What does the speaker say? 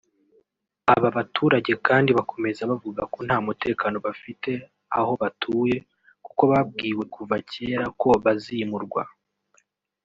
Aba baturage kandi bakomeza bavuga ko nta mutekano bafite aho batuye kuko babwiwe kuva kera ko bazimurwa